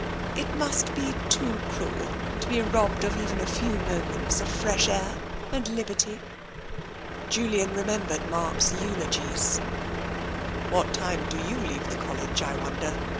It must be too cruel to be robbed of even a few moments of fresh air and liberty." Julian remembered Mark's eulogies. " What time do you leave the College, I wonder ?